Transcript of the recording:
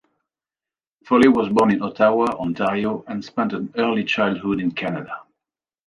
Foley was born in Ottawa, Ontario, and spent her early childhood in Canada.